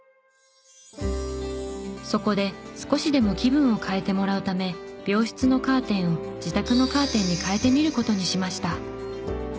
そこで少しでも気分を変えてもらうため病室のカーテンを自宅のカーテンに変えてみる事にしました。